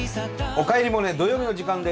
「おかえりモネ」土曜日の時間です！